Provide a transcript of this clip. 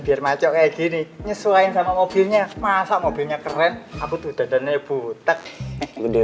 biar maco kayak gini nyesuaikan sama mobilnya masa mobilnya keren aku tuh dadanya butek udah